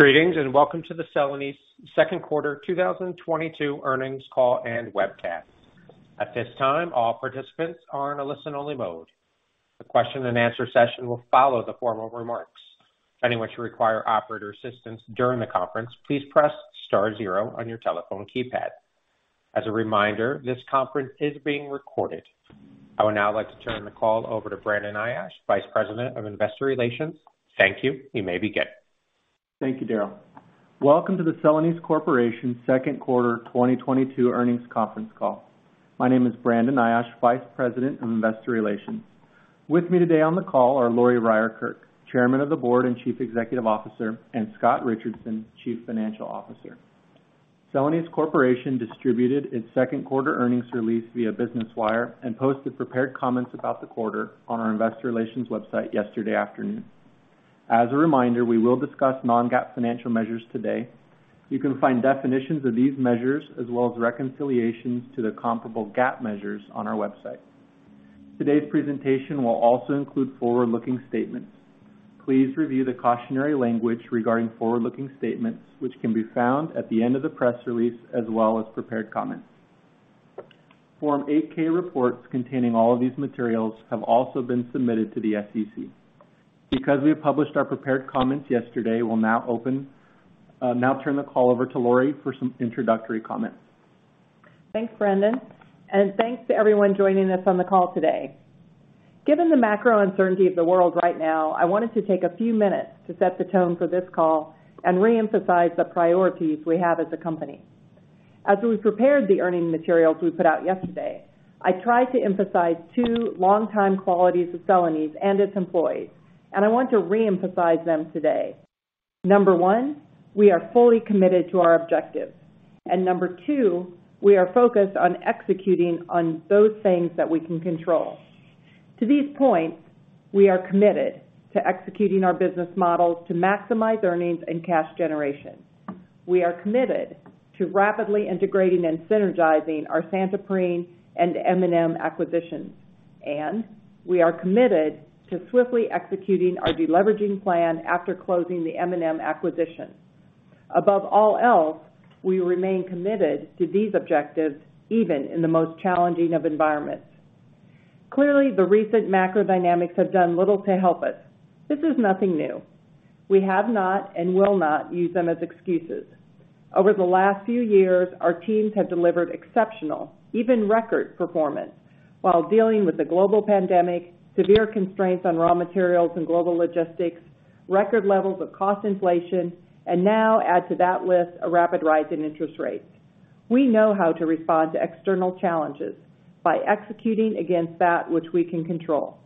Greetings, and welcome to the Celanese second quarter 2022 earnings call and webcast. At this time, all participants are in a listen-only mode. The question and answer session will follow the formal remarks. If you require operator assistance during the conference, please press star zero on your telephone keypad. As a reminder, this conference is being recorded. I would now like to turn the call over to Brandon Ayache, Vice President of Investor Relations. Thank you. You may begin. Thank you, Daryl. Welcome to the Celanese Corporation second quarter 2022 earnings conference call. My name is Brandon Ayache, Vice President of Investor Relations. With me today on the call are Lori Ryerkerk, Chairman of the Board and Chief Executive Officer, and Scott Richardson, Chief Financial Officer. Celanese Corporation distributed its second quarter earnings release via Business Wire and posted prepared comments about the quarter on our investor relations website yesterday afternoon. As a reminder, we will discuss non-GAAP financial measures today. You can find definitions of these measures as well as reconciliations to the comparable GAAP measures on our website. Today's presentation will also include forward-looking statements. Please review the cautionary language regarding forward-looking statements, which can be found at the end of the press release as well as prepared comments. Form 8-K reports containing all of these materials have also been submitted to the SEC. Because we have published our prepared comments yesterday, we'll now turn the call over to Lori for some introductory comments. Thanks, Brandon, and thanks to everyone joining us on the call today. Given the macro uncertainty of the world right now, I wanted to take a few minutes to set the tone for this call and re-emphasize the priorities we have as a company. As we prepared the earnings materials we put out yesterday, I tried to emphasize two longtime qualities of Celanese and its employees, and I want to re-emphasize them today. Number one, we are fully committed to our objectives. Number two, we are focused on executing on those things that we can control. To these points, we are committed to executing our business models to maximize earnings and cash generation. We are committed to rapidly integrating and synergizing our Santoprene and M&M acquisitions, and we are committed to swiftly executing our deleveraging plan after closing the M&M acquisition. Above all else, we remain committed to these objectives even in the most challenging of environments. Clearly, the recent macro dynamics have done little to help us. This is nothing new. We have not and will not use them as excuses. Over the last few years, our teams have delivered exceptional, even record performance while dealing with the global pandemic, severe constraints on raw materials and global logistics, record levels of cost inflation, and now add to that list a rapid rise in interest rates. We know how to respond to external challenges by executing against that which we can control.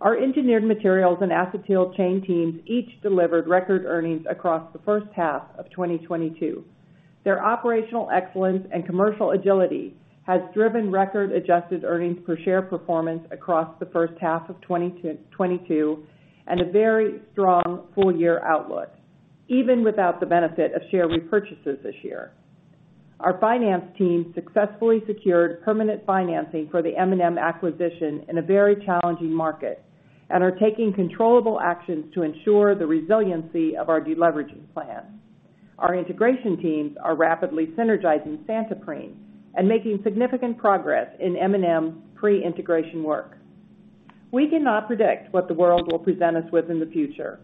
Our engineered materials and acetyl chain teams each delivered record earnings across the first half of 2022. Their operational excellence and commercial agility has driven record adjusted earnings per share performance across the first half of 2022 and a very strong full year outlook, even without the benefit of share repurchases this year. Our finance team successfully secured permanent financing for the M&M acquisition in a very challenging market and are taking controllable actions to ensure the resiliency of our deleveraging plan. Our integration teams are rapidly synergizing Santoprene and making significant progress in M&M's pre-integration work. We cannot predict what the world will present us with in the future.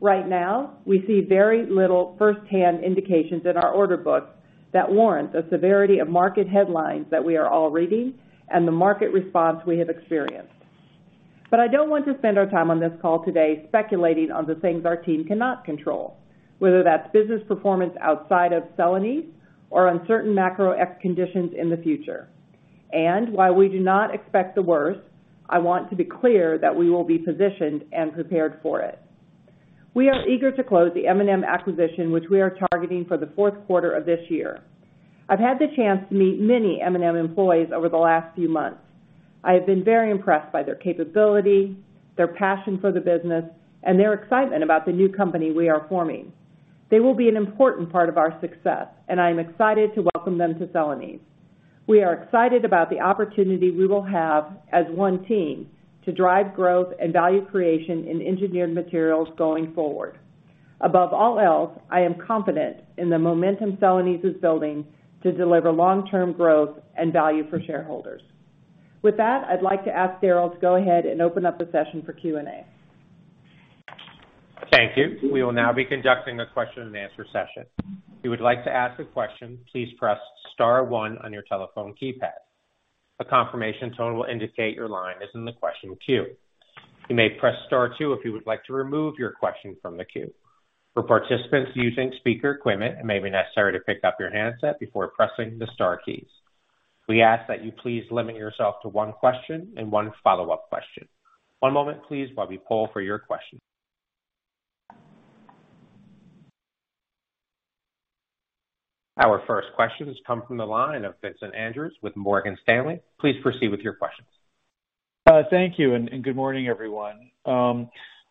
Right now, we see very little firsthand indications in our order books that warrant the severity of market headlines that we are all reading and the market response we have experienced. I don't want to spend our time on this call today speculating on the things our team cannot control, whether that's business performance outside of Celanese or uncertain macroeconomic conditions in the future. While we do not expect the worst, I want to be clear that we will be positioned and prepared for it. We are eager to close the M&M acquisition, which we are targeting for the fourth quarter of this year. I've had the chance to meet many M&M employees over the last few months. I have been very impressed by their capability, their passion for the business, and their excitement about the new company we are forming. They will be an important part of our success, and I am excited to welcome them to Celanese. We are excited about the opportunity we will have as one team to drive growth and value creation in engineered materials going forward. Above all else, I am confident in the momentum Celanese is building to deliver long-term growth and value for shareholders. With that, I'd like to ask Daryl to go ahead and open up the session for Q&A. Thank you. We will now be conducting a question and answer session. If you would like to ask a question, please press star one on your telephone keypad. A confirmation tone will indicate your line is in the question queue. You may press star two if you would like to remove your question from the queue. For participants using speaker equipment, it may be necessary to pick up your handset before pressing the star keys. We ask that you please limit yourself to one question and one follow-up question. One moment, please, while we poll for your question. Our first question has come from the line of Vincent Andrews with Morgan Stanley. Please proceed with your questions. Thank you, and good morning, everyone.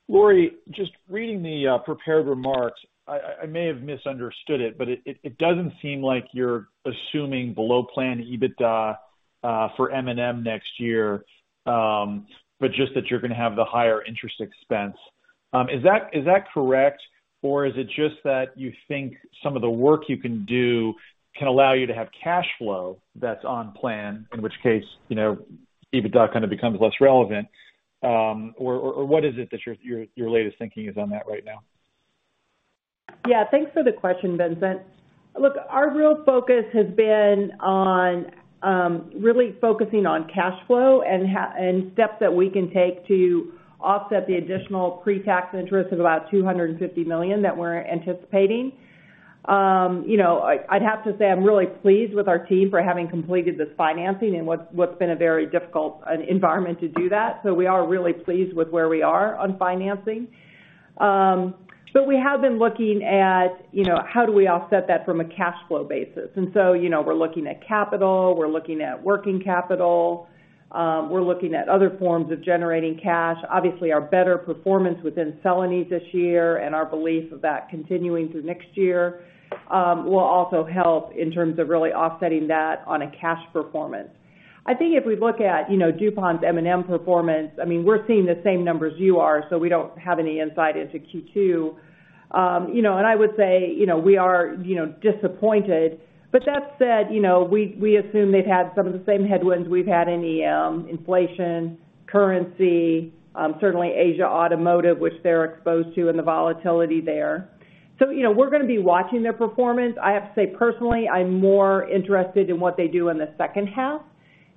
Lori, just reading the prepared remarks, I may have misunderstood it, but it doesn't seem like you're assuming below plan EBITDA for M&M next year, but just that you're gonna have the higher interest expense. Is that correct? Or is it just that you think some of the work you can do can allow you to have cash flow that's on plan, in which case, you know, EBITDA kind of becomes less relevant? Or what is it that your latest thinking is on that right now? Yeah. Thanks for the question, Vincent. Look, our real focus has been on really focusing on cash flow and steps that we can take to offset the additional pretax interest of about $250 million that we're anticipating. You know, I'd have to say I'm really pleased with our team for having completed this financing in what's been a very difficult environment to do that. We are really pleased with where we are on financing. But we have been looking at, you know, how do we offset that from a cash flow basis. You know, we're looking at capital, we're looking at working capital, we're looking at other forms of generating cash. Obviously, our better performance within Celanese this year and our belief of that continuing through next year, will also help in terms of really offsetting that on a cash performance. I think if we look at, you know, DuPont's M&M performance, I mean, we're seeing the same numbers you are, so we don't have any insight into Q2. You know, I would say, you know, we are, you know, disappointed. That said, you know, we assume they've had some of the same headwinds we've had in EM, inflation, currency, certainly Asia Automotive, which they're exposed to, and the volatility there. You know, we're gonna be watching their performance. I have to say, personally, I'm more interested in what they do in the second half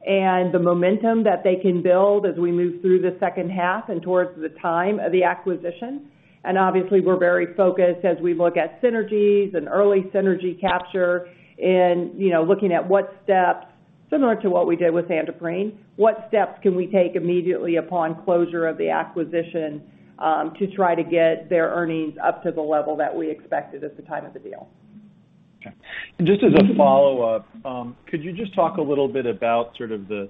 and the momentum that they can build as we move through the second half and towards the time of the acquisition. Obviously, we're very focused as we look at synergies and early synergy capture and, you know, looking at what steps, similar to what we did with Santoprene, what steps can we take immediately upon closure of the acquisition, to try to get their earnings up to the level that we expected at the time of the deal. Okay. Just as a follow-up, could you just talk a little bit about sort of the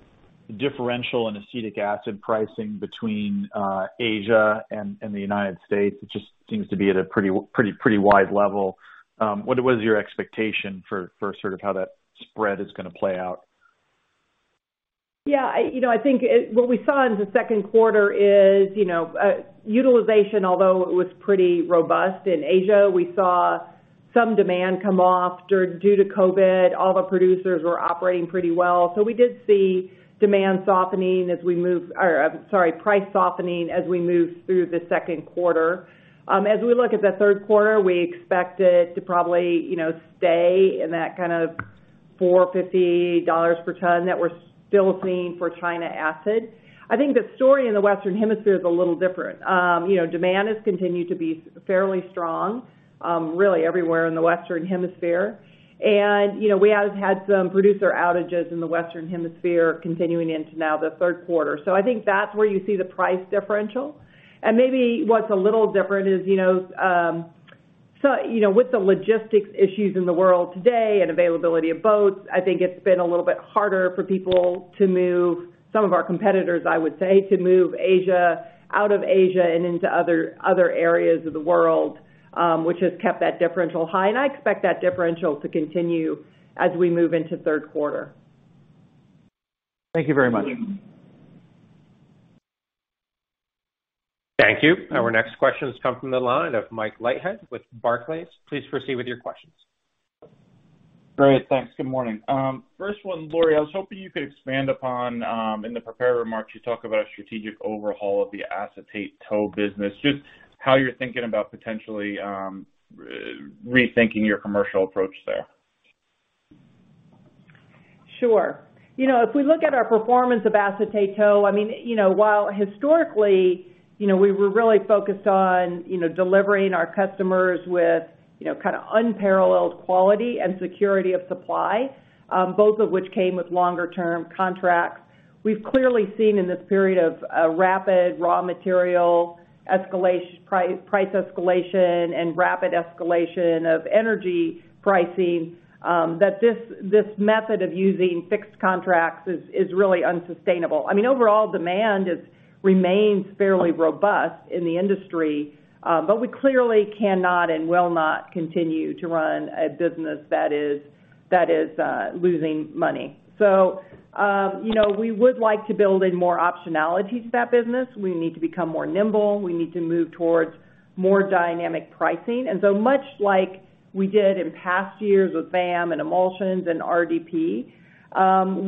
differential in acetic acid pricing between Asia and the United States? It just seems to be at a pretty wide level. What is your expectation for sort of how that spread is gonna play out? I think what we saw in the second quarter is, you know, utilization, although it was pretty robust in Asia, we saw some demand come off due to COVID. All the producers were operating pretty well. We did see demand softening as we moved through the second quarter. As we look at the third quarter, we expect it to probably, you know, stay in that kind of $450 per ton that we're still seeing for China acid. I think the story in the Western Hemisphere is a little different. You know, demand has continued to be fairly strong, really everywhere in the Western Hemisphere. We have had some producer outages in the Western Hemisphere continuing into now the third quarter. I think that's where you see the price differential. Maybe what's a little different is, you know, so, you know, with the logistics issues in the world today and availability of boats, I think it's been a little bit harder for people to move, some of our competitors, I would say, to move Asia out of Asia and into other areas of the world which has kept that differential high and I expect that differential to continue as we move into third quarter. Thank you very much. Thank you. Our next question comes from the line of Mike Leithead with Barclays. Please proceed with your questions. Great. Thanks. Good morning. First one, Lori, I was hoping you could expand upon, in the prepared remarks, you talk about strategic overhaul of the acetate tow business. Just how you're thinking about potentially rethinking your commercial approach there. Sure. You know, if we look at our performance of acetate tow, I mean, you know, while historically, you know, we were really focused on, you know, delivering our customers with, you know, kind of unparalleled quality and security of supply, both of which came with longer term contracts, we've clearly seen in this period of rapid raw material price escalation and rapid escalation of energy pricing that this method of using fixed contracts is really unsustainable. I mean, overall demand remains fairly robust in the industry but we clearly cannot and will not continue to run a business that is losing money. So, you know, we would like to build in more optionality to that business. We need to become more nimble. We need to move towards more dynamic pricing. Much like we did in past years with VAM and emulsions and RDP,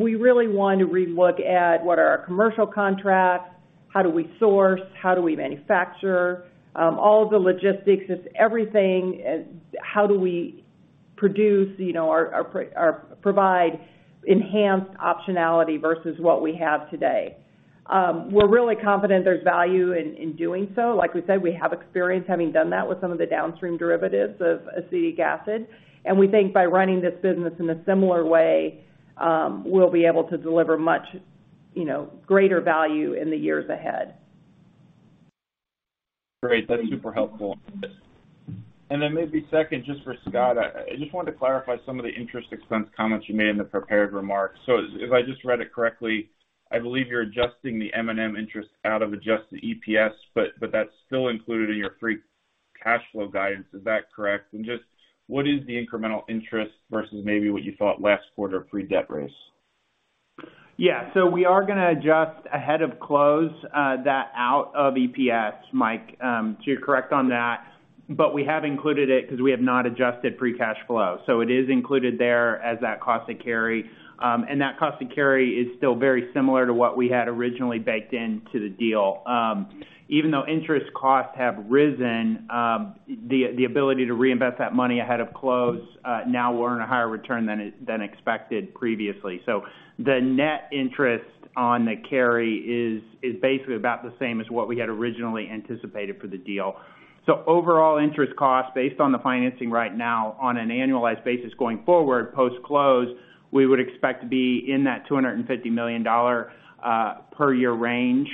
we really want to relook at what are our commercial contracts, how do we source, how do we manufacture, all of the logistics, just everything, how do we produce, you know, or provide enhanced optionality versus what we have today. We're really confident there's value in doing so. Like we said, we have experience having done that with some of the downstream derivatives of acetic acid. We think by running this business in a similar way, we'll be able to deliver much, you know, greater value in the years ahead. Great. That's super helpful. Maybe second, just for Scott, I just wanted to clarify some of the interest expense comments you made in the prepared remarks. If I just read it correctly, I believe you're adjusting the M&M interest out of adjusted EPS, but that's still included in your free cash flow guidance. Is that correct? Just what is the incremental interest versus maybe what you thought last quarter from the debt raise? Yeah. We are gonna adjust ahead of close that out of EPS, Mike. You're correct on that. We have included it 'cause we have not adjusted free cash flow. It is included there as that cost to carry. That cost to carry is still very similar to what we had originally baked into the deal. Even though interest costs have risen, the ability to reinvest that money ahead of close now we're in a higher return than expected previously. The net interest on the carry is basically about the same as what we had originally anticipated for the deal. Overall interest costs based on the financing right now on an annualized basis going forward post-close, we would expect to be in that $250 million per year range.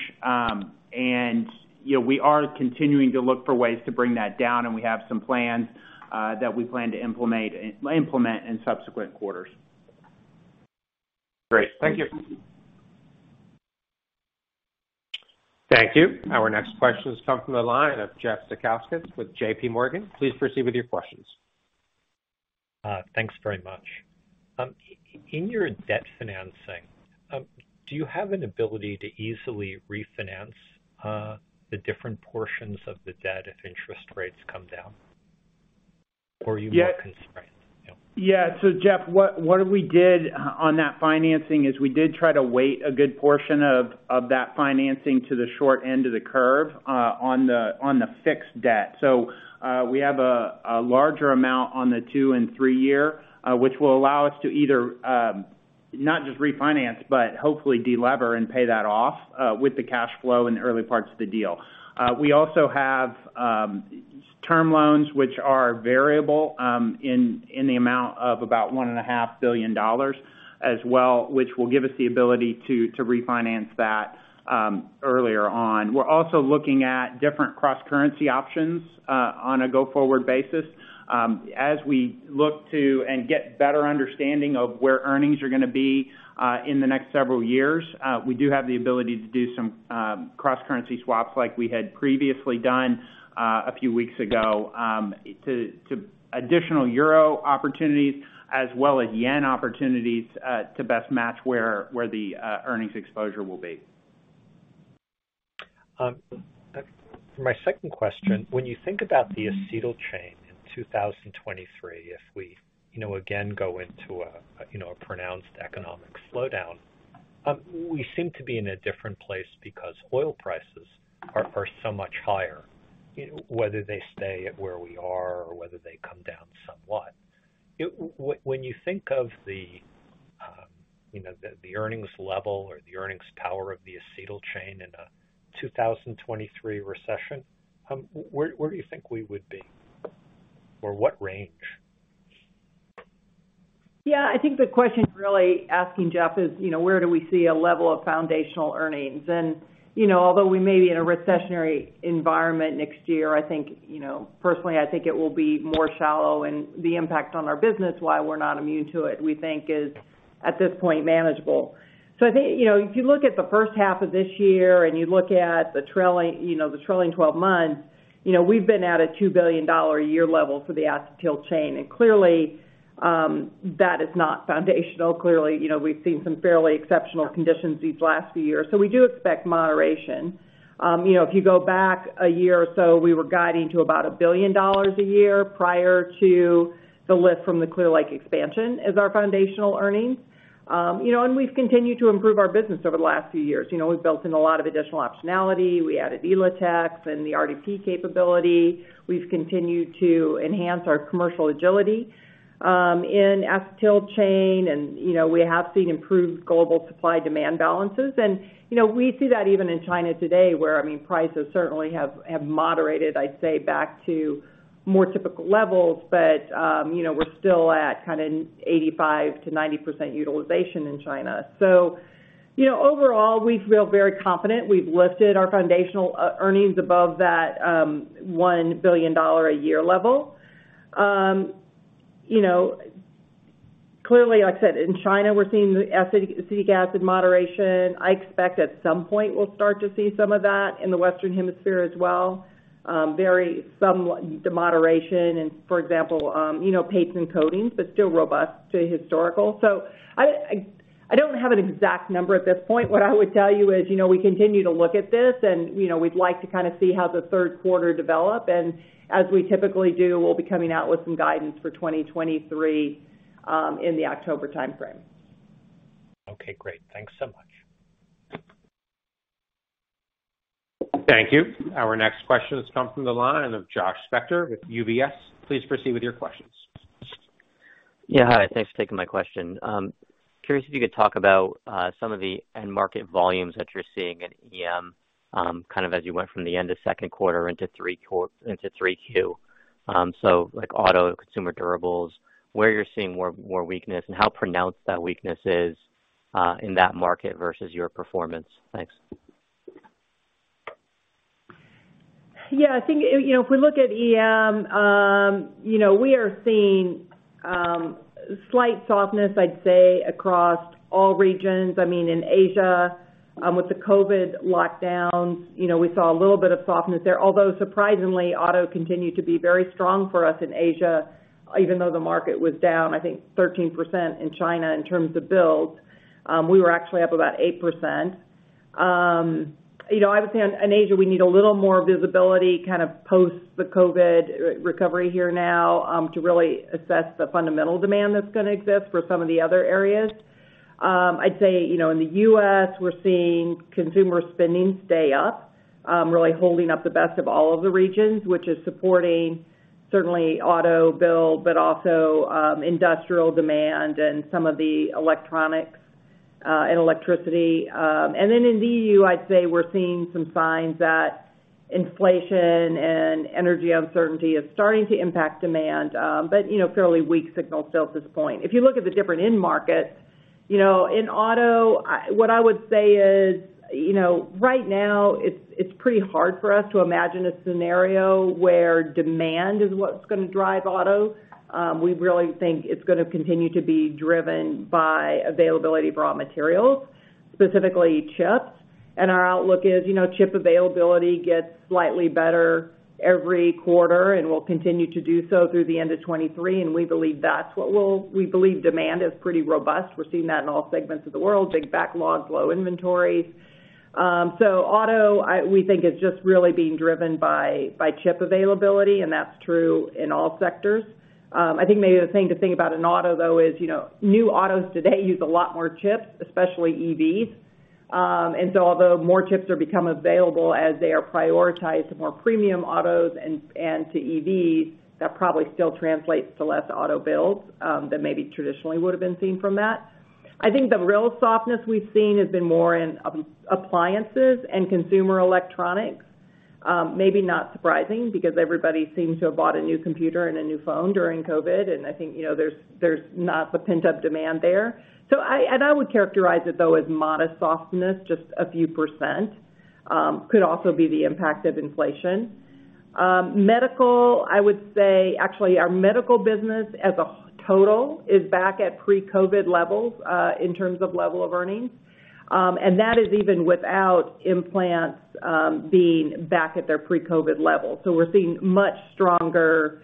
You know, we are continuing to look for ways to bring that down, and we have some plans that we plan to implement in subsequent quarters. Great. Thank you. Thank you. Our next question has come from the line of Jeff Zekauskas with J.P. Morgan. Please proceed with your questions. Thanks very much. In your debt financing, do you have an ability to easily refinance the different portions of the debt if interest rates come down? Or are you more constrained? Yeah. Yeah. Jeff, what we did on that financing is we did try to weight a good portion of that financing to the short end of the curve on the fixed debt. We have a larger amount on the 2- and 3-year, which will allow us to either not just refinance, but hopefully delever and pay that off with the cash flow in the early parts of the deal. We also have term loans which are variable in the amount of about $1.5 billion as well, which will give us the ability to refinance that earlier on. We're also looking at different cross-currency options on a go-forward basis. As we look to and get better understanding of where earnings are gonna be in the next several years, we do have the ability to do some cross-currency swaps like we had previously done a few weeks ago to additional euro opportunities as well as yen opportunities to best match where the earnings exposure will be. For my second question, when you think about the acetyl chain in 2023, if we, you know, again go into a, you know, a pronounced economic slowdown, we seem to be in a different place because oil prices are so much higher, you know, whether they stay at where we are or whether they come down somewhat. When you think of the, you know, the earnings level or the earnings power of the acetyl chain in a 2023 recession, where do you think we would be? Or what range? Yeah, I think the question you're really asking, Jeff, is, you know, where do we see a level of foundational earnings? You know, although we may be in a recessionary environment next year, I think, you know, personally, I think it will be more shallow and the impact on our business, while we're not immune to it, we think is at this point manageable. I think, you know, if you look at the first half of this year and you look at the trailing, you know, the trailing twelve months, you know, we've been at a $2 billion a year level for the acetyl chain. Clearly, that is not foundational. Clearly, you know, we've seen some fairly exceptional conditions these last few years. We do expect moderation. You know, if you go back a year or so, we were guiding to about $1 billion a year prior to the lift from the Clear Lake expansion as our foundational earnings. You know, we've continued to improve our business over the last few years. You know, we've built in a lot of additional optionality. We added Ateva and the RTP capability. We've continued to enhance our commercial agility in acetyl chain. You know, we have seen improved global supply-demand balances. You know, we see that even in China today, where, I mean, prices certainly have moderated, I'd say, back to more typical levels. You know, we're still at kind of 85%-90% utilization in China. You know, overall, we feel very confident. We've lifted our foundational earnings above that $1 billion a year level. You know, clearly, like I said, in China, we're seeing the acetic acid moderation. I expect at some point we'll start to see some of that in the Western Hemisphere as well. The moderation in, for example, you know, paints and coatings, but still robust to historical. I don't have an exact number at this point. What I would tell you is, you know, we continue to look at this and, you know, we'd like to kind of see how the third quarter develop. As we typically do, we'll be coming out with some guidance for 2023 in the October timeframe. Okay, great. Thanks so much. Thank you. Our next question has come from the line of Josh Spector with UBS. Please proceed with your questions. Yeah. Hi, thanks for taking my question. Curious if you could talk about some of the end market volumes that you're seeing in EM, kind of as you went from the end of second quarter into three Q. Like auto, consumer durables, where you're seeing more weakness and how pronounced that weakness is in that market versus your performance. Thanks. Yeah, I think, you know, if we look at EM, you know, we are seeing slight softness, I'd say, across all regions. I mean, in Asia With the COVID lockdown, you know, we saw a little bit of softness there, although surprisingly, auto continued to be very strong for us in Asia, even though the market was down, I think 13% in China in terms of builds, we were actually up about 8%. You know, obviously in Asia, we need a little more visibility kind of post the COVID recovery here now, to really assess the fundamental demand that's gonna exist for some of the other areas. I'd say, you know, in the US, we're seeing consumer spending stay up, really holding up the best of all of the regions, which is supporting certainly auto build, but also, industrial demand and some of the electronics and electricity. In E.U., I'd say we're seeing some signs that inflation and energy uncertainty is starting to impact demand, but you know, fairly weak signal still at this point. If you look at the different end markets, you know, in auto, what I would say is, you know, right now it's pretty hard for us to imagine a scenario where demand is what's gonna drive auto. We really think it's gonna continue to be driven by availability of raw materials, specifically chips. Our outlook is, you know, chip availability gets slightly better every quarter and will continue to do so through the end of 2023. We believe demand is pretty robust. We're seeing that in all segments of the world, big backlogs, low inventory. Auto, we think is just really being driven by chip availability, and that's true in all sectors. I think maybe the thing to think about in auto though is, you know, new autos today use a lot more chips, especially EVs. And so although more chips are become available as they are prioritized to more premium autos and to EVs, that probably still translates to less auto builds than maybe traditionally would've been seen from that. I think the real softness we've seen has been more in appliances and consumer electronics. Maybe not surprising because everybody seemed to have bought a new computer and a new phone during COVID, and I think, you know, there's not the pent-up demand there. I would characterize it though as modest softness, just a few%. Could also be the impact of inflation. Medical, I would say actually our medical business as a total is back at pre-COVID levels, in terms of level of earnings. That is even without implants, being back at their pre-COVID level. We're seeing much stronger,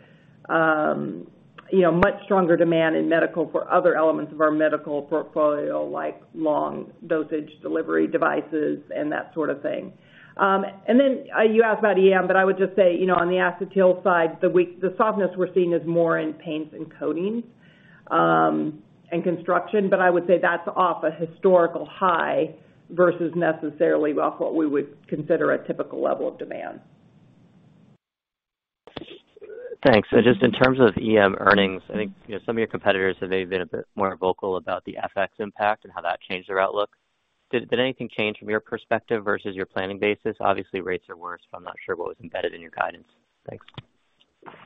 you know, much stronger demand in medical for other elements of our medical portfolio like long dosage delivery devices and that sort of thing. You asked about EM, but I would just say, you know, on the acetyl side, the softness we're seeing is more in paints and coatings, and construction, but I would say that's off a historical high versus necessarily off what we would consider a typical level of demand. Thanks. Just in terms of EM earnings, I think, you know, some of your competitors have maybe been a bit more vocal about the FX impact and how that changed their outlook. Did anything change from your perspective versus your planning basis? Obviously, rates are worse, but I'm not sure what was embedded in your guidance. Thanks.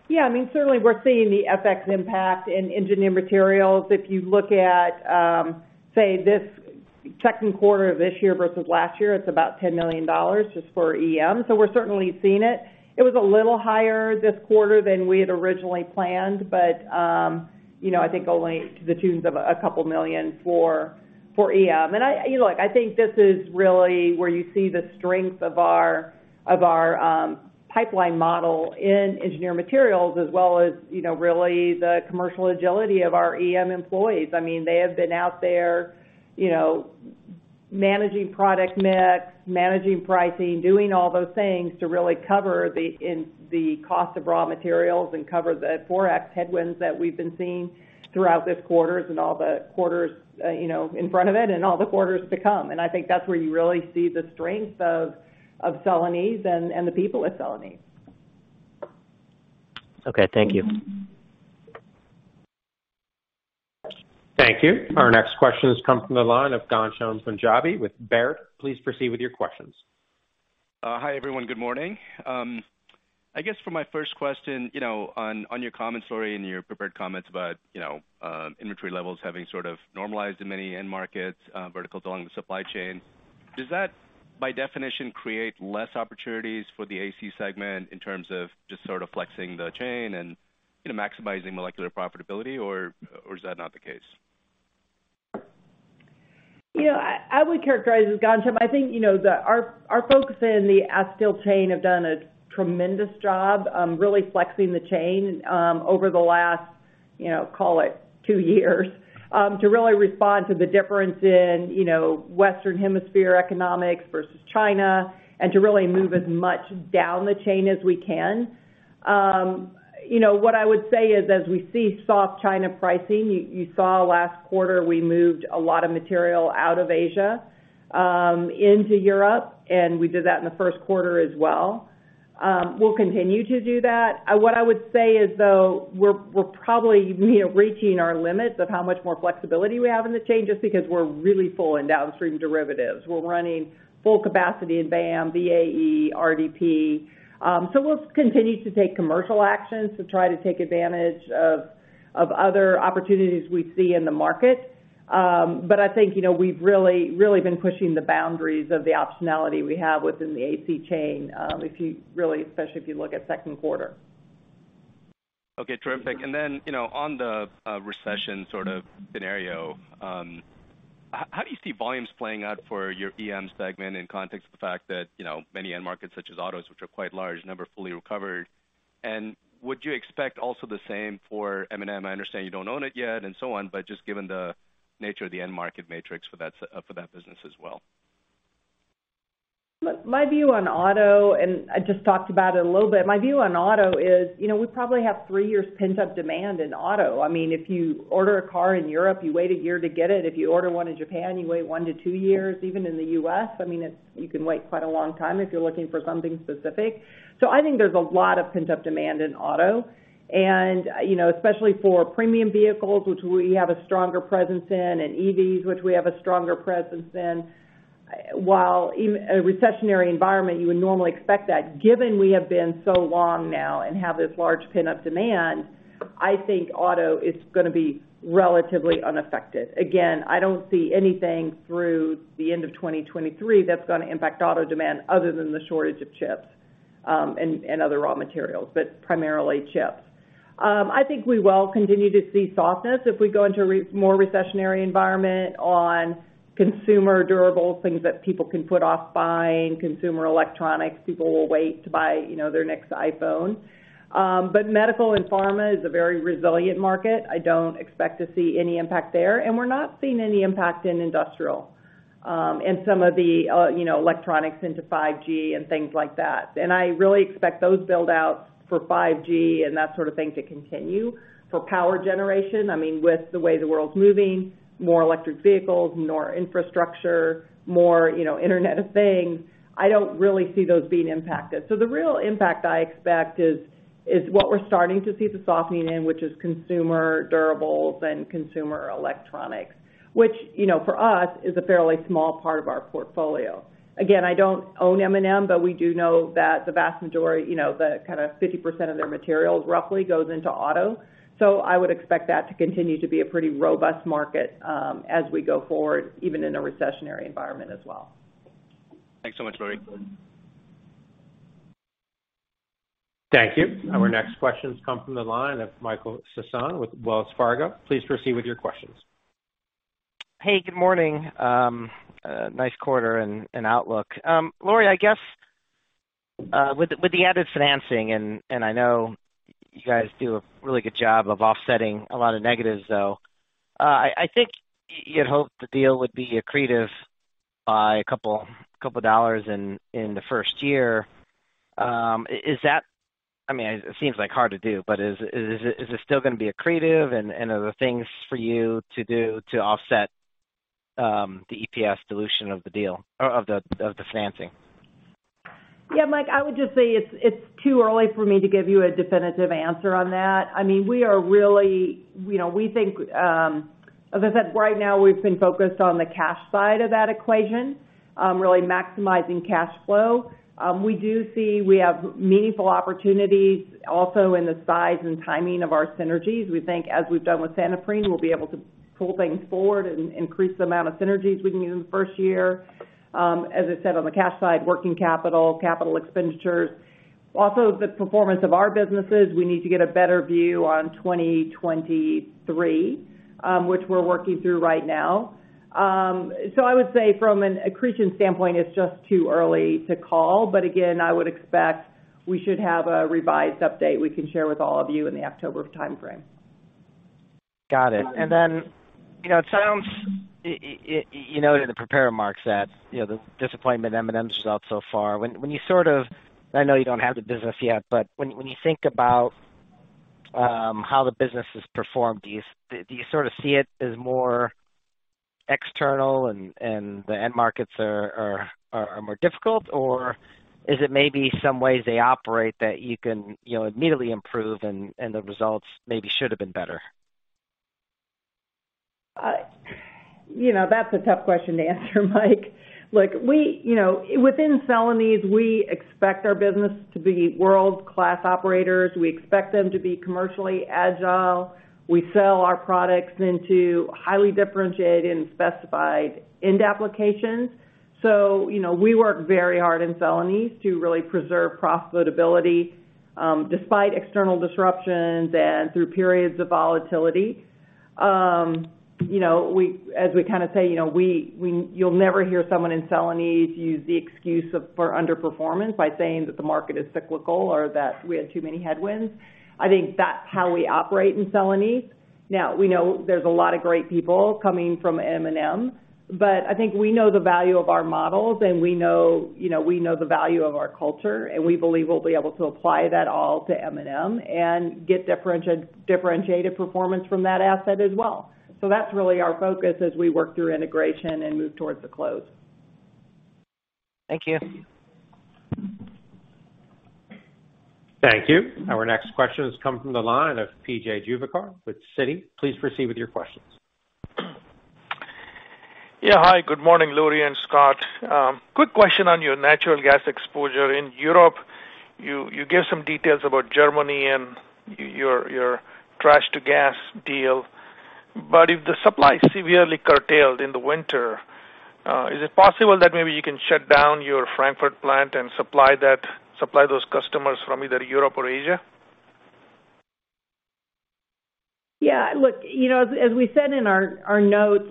Yeah. I mean, certainly we're seeing the FX impact in Engineered Materials. If you look at, say, this second quarter of this year versus last year, it's about $10 million just for EM. So we're certainly seeing it. It was a little higher this quarter than we had originally planned, but, you know, I think only to the tune of $2 million for EM. You know, look, I think this is really where you see the strength of our pipeline model in Engineered Materials as well as, you know, really the commercial agility of our EM employees. I mean, they have been out there, you know, managing product mix, managing pricing, doing all those things to really cover the cost of raw materials and cover the ForEx headwinds that we've been seeing throughout this quarter and all the quarters in front of it and all the quarters to come. You know, I think that's where you really see the strength of Celanese and the people at Celanese. Okay. Thank you. Thank you. Our next question has come from the line of Ghansham Panjabi with Baird. Please proceed with your questions. Hi, everyone. Good morning. I guess for my first question, you know, on your comments, Lori, in your prepared comments about, you know, inventory levels having sort of normalized in many end markets, verticals along the supply chain, does that by definition create less opportunities for the AC segment in terms of just sort of flexing the chain and, you know, maximizing molecular profitability or is that not the case? You know, I would characterize this, Ghansham. I think, you know, our folks in the acetyl chain have done a tremendous job, really flexing the chain, over the last, you know, call it two years, to really respond to the difference in, you know, Western Hemisphere economics versus China, and to really move as much down the chain as we can. You know, what I would say is, as we see soft China pricing, you saw last quarter we moved a lot of material out of Asia, into Europe, and we did that in the first quarter as well. We'll continue to do that. What I would say is, though, we're probably, you know, reaching our limits of how much more flexibility we have in the chain just because we're really full in downstream derivatives. We're running full capacity in VAM, VAE, RDP. We'll continue to take commercial actions to try to take advantage of other opportunities we see in the market. I think, you know, we've really been pushing the boundaries of the optionality we have within the acetyl chain, if you really, especially if you look at second quarter. Okay, terrific. Then, you know, on the recession sort of scenario, how do you see volumes playing out for your EMs segment in context of the fact that, you know, many end markets such as autos which are quite large never fully recovered? Would you expect also the same for M&M? I understand you don't own it yet and so on, but just given the nature of the end market matrix for that business as well? My view on auto, and I just talked about it a little bit. My view on auto is, you know, we probably have three years pent-up demand in auto. I mean, if you order a car in Europe, you wait a year to get it. If you order one in Japan, you wait one to two years, even in the U.S. I mean, it's, you can wait quite a long time if you're looking for something specific. I think there's a lot of pent-up demand in auto. You know, especially for premium vehicles, which we have a stronger presence in, and EVs, which we have a stronger presence in, while in a recessionary environment, you would normally expect that given we have been so long now and have this large pent-up demand, I think auto is gonna be relatively unaffected. Again, I don't see anything through the end of 2023 that's gonna impact auto demand other than the shortage of chips, and other raw materials, but primarily chips. I think we will continue to see softness if we go into more recessionary environment on consumer durables, things that people can put off buying, consumer electronics. People will wait to buy, you know, their next iPhone. But medical and pharma is a very resilient market. I don't expect to see any impact there, and we're not seeing any impact in industrial, and some of the, you know, electronics into 5G and things like that. I really expect those build outs for 5G and that sort of thing to continue for power generation. I mean, with the way the world's moving, more electric vehicles, more infrastructure, more, you know, Internet of Things, I don't really see those being impacted. The real impact I expect is what we're starting to see the softening in, which is consumer durables and consumer electronics, which, you know, for us is a fairly small part of our portfolio. Again, I don't own M&M, but we do know that the vast majority, you know, the kind of 50% of their materials roughly goes into auto. I would expect that to continue to be a pretty robust market, as we go forward, even in a recessionary environment as well. Thanks so much, Lori. Thank you. Our next questions come from the line of Michael Sison with Wells Fargo. Please proceed with your questions. Hey, good morning. Nice quarter and outlook. Lori, I guess, with the added financing, and I know you guys do a really good job of offsetting a lot of negatives, though. I think you'd hope the deal would be accretive by a couple dollars in the first year. Is that—I mean, it seems like hard to do, but is it still gonna be accretive and are there things for you to do to offset the EPS dilution of the deal or of the financing? Yeah, Mike, I would just say it's too early for me to give you a definitive answer on that. I mean, we are really, you know, we think, as I said, right now we've been focused on the cash side of that equation, really maximizing cash flow. We do see we have meaningful opportunities also in the size and timing of our synergies. We think, as we've done with Santoprene, we'll be able to pull things forward and increase the amount of synergies we can do in the first year. As I said, on the cash side, working capital expenditures, also the performance of our businesses. We need to get a better view on 2023, which we're working through right now. I would say from an accretion standpoint, it's just too early to call. Again, I would expect we should have a revised update we can share with all of you in the October timeframe. Got it. You know, it sounds, you know, to the prepared remarks that, you know, the disappointment M&M results so far. When you sort of, I know you don't have the business yet, but when you think about how the business has performed, do you sort of see it as more external and the end markets are more difficult? Or is it maybe some ways they operate that you can, you know, immediately improve and the results maybe should have been better? You know, that's a tough question to answer, Mike. Look, you know, within Celanese, we expect our business to be world-class operators. We expect them to be commercially agile. We sell our products into highly differentiated and specified end applications. You know, we work very hard in Celanese to really preserve profitability, despite external disruptions and through periods of volatility. You know, as we kinda say, you'll never hear someone in Celanese use the excuse for underperformance by saying that the market is cyclical or that we had too many headwinds. I think that's how we operate in Celanese. Now, we know there's a lot of great people coming from M&M, but I think we know the value of our models, and we know, you know, we know the value of our culture, and we believe we'll be able to apply that all to M&M and get differentiated performance from that asset as well. That's really our focus as we work through integration and move towards the close. Thank you. Thank you. Our next question has come from the line of P.J. Juvekar with Citi. Please proceed with your questions. Yeah. Hi, good morning, Lori and Scott. Quick question on your natural gas exposure in Europe. You gave some details about Germany and your waste-to-energy deal. If the supply is severely curtailed in the winter, is it possible that maybe you can shut down your Frankfurt plant and supply those customers from either Europe or Asia? Yeah, look, you know, as we said in our notes,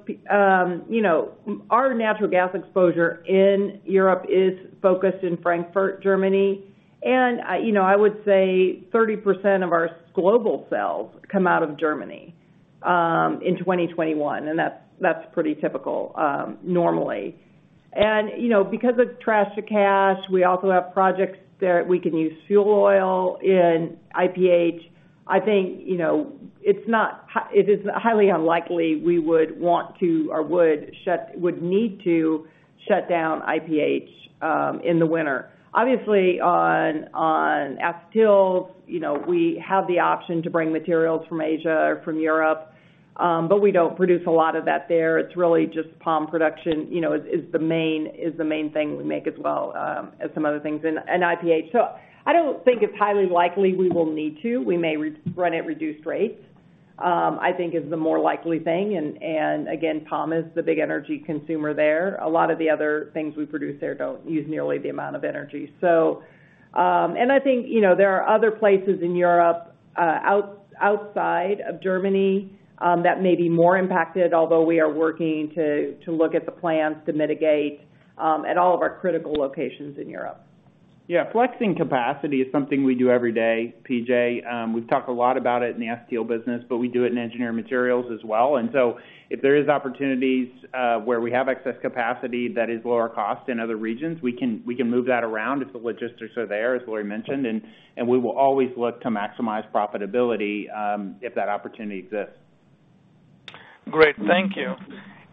you know, our natural gas exposure in Europe is focused in Frankfurt, Germany. I would say 30% of our global sales come out of Germany in 2021, and that's pretty typical, normally. Because of waste to energy, we also have projects that we can use fuel oil in IPH. I think, you know, it is highly unlikely we would want to or would need to shut down IPH in the winter. Obviously, on acetals, you know, we have the option to bring materials from Asia or from Europe, but we don't produce a lot of that there. It's really just POM production, you know, is the main thing we make as well, as some other things in IPH. I don't think it's highly likely we will need to. We may re-run at reduced rates, I think is the more likely thing. Again, POM is the big energy consumer there. A lot of the other things we produce there don't use nearly the amount of energy. I think, you know, there are other places in Europe, outside of Germany, that may be more impacted, although we are working to look at the plans to mitigate at all of our critical locations in Europe. Yeah, flexing capacity is something we do every day, PJ. We've talked a lot about it in the acetal business, but we do it in engineered materials as well. If there is opportunities where we have excess capacity that is lower cost in other regions, we can move that around if the logistics are there, as Lori mentioned, and we will always look to maximize profitability if that opportunity exists. Great. Thank you.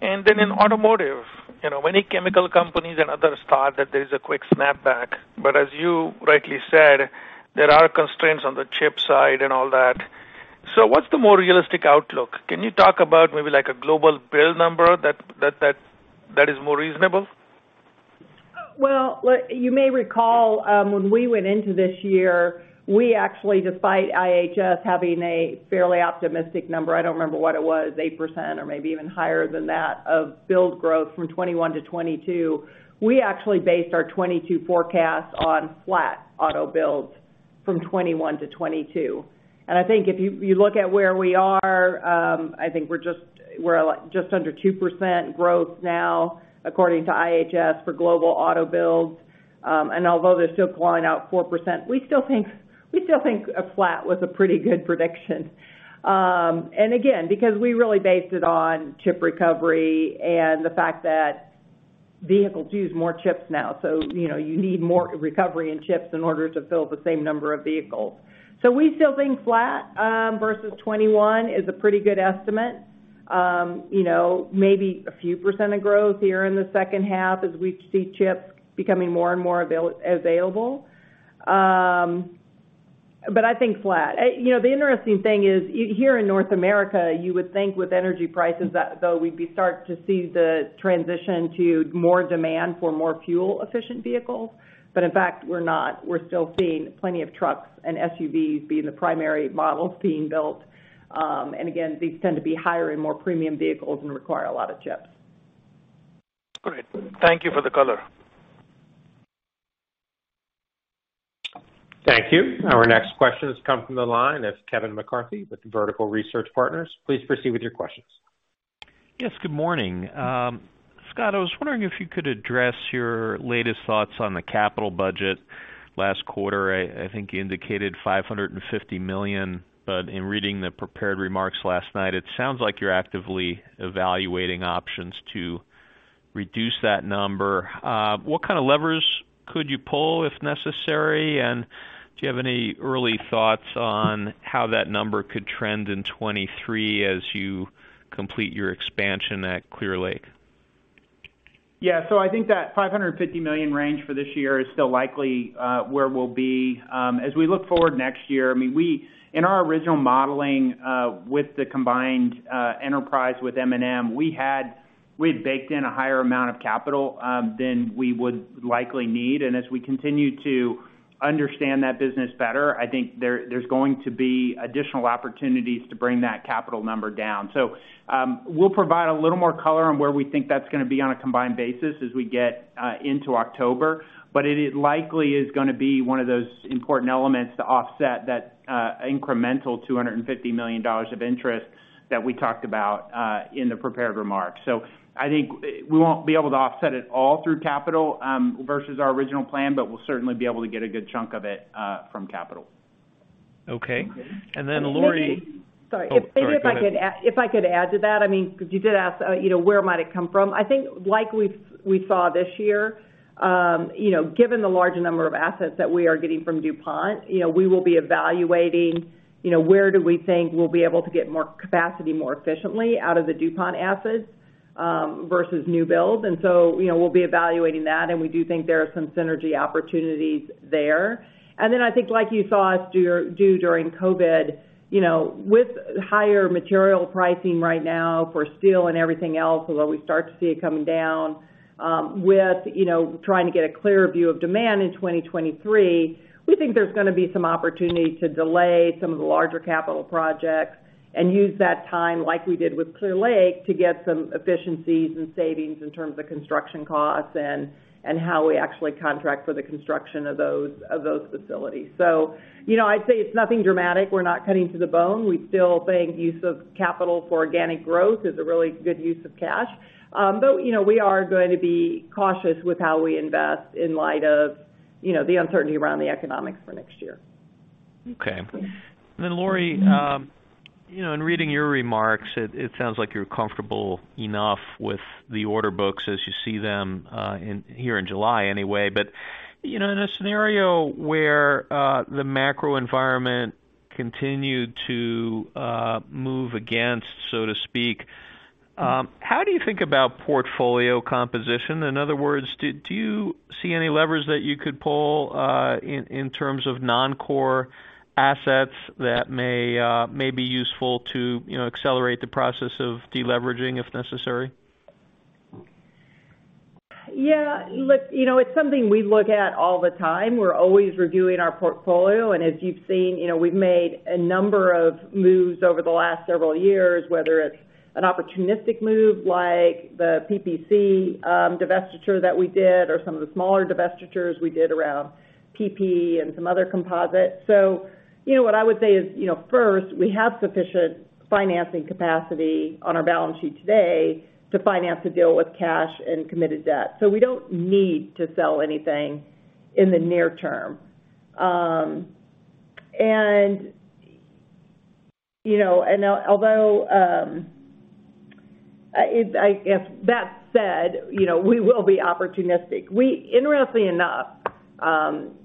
In automotive, you know, many chemical companies and others thought that there is a quick snapback, but as you rightly said, there are constraints on the chip side and all that. What's the more realistic outlook? Can you talk about maybe like a global build number that is more reasonable? Well, look, you may recall, when we went into this year, we actually, despite IHS having a fairly optimistic number, I don't remember what it was, 8% or maybe even higher than that, of build growth from 2021 to 2022, we actually based our 2022 forecast on flat auto builds from 2021 to 2022. I think if you look at where we are, I think we're just under 2% growth now according to IHS for global auto builds. Although they're still calling out 4%, we still think a flat was a pretty good prediction. Because we really based it on chip recovery and the fact that vehicles use more chips now, so, you know, you need more recovery in chips in order to fill the same number of vehicles. We still think flat versus 2021 is a pretty good estimate. You know, maybe a few percent of growth here in the second half as we see chips becoming more and more available. But I think flat. You know, the interesting thing is, here in North America, you would think with energy prices that, though we'd be starting to see the transition to more demand for more fuel-efficient vehicles. But in fact, we're not. We're still seeing plenty of trucks and SUVs being the primary models being built. These tend to be higher-end, more premium vehicles and require a lot of chips. Great. Thank you for the color. Thank you. Our next question has come from the line of. It's Kevin McCarthy with Vertical Research Partners. Please proceed with your questions. Yes, good morning. Scott, I was wondering if you could address your latest thoughts on the capital budget. Last quarter, I think you indicated $550 million, but in reading the prepared remarks last night, it sounds like you're actively evaluating options to reduce that number. What kind of levers could you pull if necessary? Do you have any early thoughts on how that number could trend in 2023 as you complete your expansion at Clear Lake? Yeah. I think that $550 million range for this year is still likely where we'll be. As we look forward next year, I mean, in our original modeling with the combined enterprise with M&M, we had baked in a higher amount of capital than we would likely need. As we continue to understand that business better, I think there's going to be additional opportunities to bring that capital number down. We'll provide a little more color on where we think that's gonna be on a combined basis as we get into October. It likely is gonna be one of those important elements to offset that incremental $250 million of interest that we talked about in the prepared remarks. I think we won't be able to offset it all through capital versus our original plan, but we'll certainly be able to get a good chunk of it from capital. Okay. Lori- Sorry. Oh, sorry, go ahead. If I could add to that, I mean, because you did ask, you know, where might it come from. I think like we saw this year, you know, given the large number of assets that we are getting from DuPont, you know, we will be evaluating, you know, where do we think we'll be able to get more capacity more efficiently out of the DuPont assets, versus new build. You know, we'll be evaluating that, and we do think there are some synergy opportunities there. I think like you saw us do during COVID, you know, with higher material pricing right now for steel and everything else, although we start to see it coming down, with, you know, trying to get a clearer view of demand in 2023, we think there's gonna be some opportunity to delay some of the larger capital projects and use that time like we did with Clear Lake to get some efficiencies and savings in terms of construction costs and how we actually contract for the construction of those facilities. You know, I'd say it's nothing dramatic. We're not cutting to the bone. We still think use of capital for organic growth is a really good use of cash. But, you know, we are going to be cautious with how we invest in light of, you know, the uncertainty around the economics for next year. Okay. Lori, you know, in reading your remarks, it sounds like you're comfortable enough with the order books as you see them in here in July anyway. You know, in a scenario where the macro environment continued to move against, so to speak, how do you think about portfolio composition? In other words, do you see any levers that you could pull in terms of non-core assets that may be useful to accelerate the process of deleveraging if necessary? Yeah. Look, you know, it's something we look at all the time. We're always reviewing our portfolio, and as you've seen, you know, we've made a number of moves over the last several years, whether it's an opportunistic move like the PPC divestiture that we did or some of the smaller divestitures we did around PP and some other composites. You know, what I would say is, you know, first, we have sufficient financing capacity on our balance sheet today to finance the deal with cash and committed debt. We don't need to sell anything in the near term. And, you know, although that said, you know, we will be opportunistic. Interestingly enough,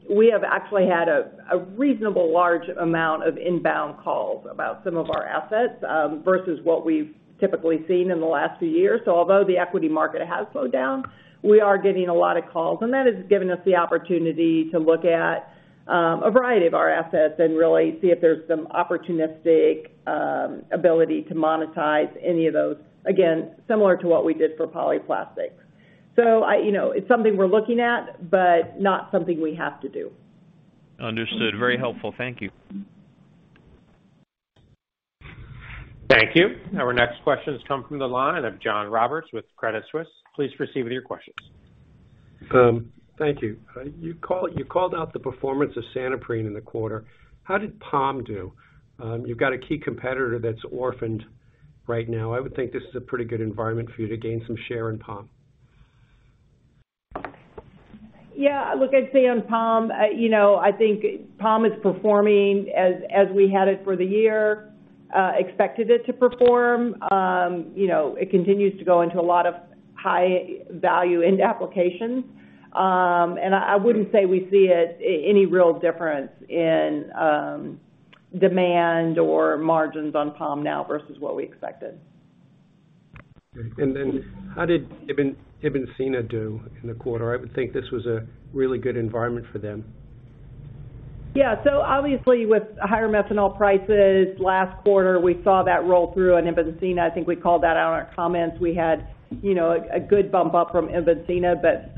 we have actually had a reasonably large amount of inbound calls about some of our assets, versus what we've typically seen in the last few years. Although the equity market has slowed down, we are getting a lot of calls, and that has given us the opportunity to look at a variety of our assets and really see if there's some opportunistic ability to monetize any of those. Again, similar to what we did for Polyplastics. You know, it's something we're looking at, but not something we have to do. Understood. Very helpful. Thank you. Thank you. Our next question has come from the line of John Roberts with Credit Suisse. Please proceed with your questions. Thank you. You called out the performance of Santoprene in the quarter. How did POM do? You've got a key competitor that's orphaned right now. I would think this is a pretty good environment for you to gain some share in POM. Yeah. Look, I'd say on POM, you know, I think POM is performing as we had expected it to perform for the year. You know, it continues to go into a lot of high-value end applications. I wouldn't say we see any real difference in demand or margins on POM now versus what we expected. How did Ibn Sina do in the quarter? I would think this was a really good environment for them. Yeah. Obviously with higher methanol prices last quarter, we saw that roll through on Ibn Sina. I think we called that out on our comments. We had, you know, a good bump up from Ibn Sina, but